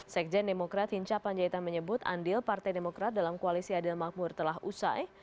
sekjen demokrat hinca panjaitan menyebut andil partai demokrat dalam koalisi adil makmur telah usai